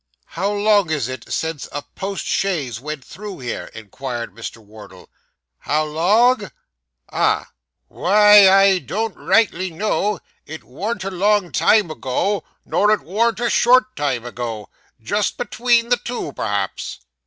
'How long is it since a post chaise went through here?' inquired Mr. Wardle. 'How long?' 'Ah!' 'Why, I don't rightly know. It worn't a long time ago, nor it worn't a short time ago just between the two, perhaps.